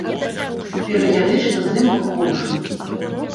Перыядычна з ім выходжу.